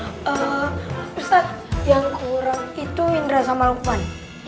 pesan yang kurang itu indra sama lukman